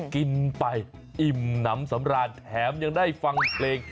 กินไปอิ่มน้ำสำราญแถมยังได้ฟังเพลง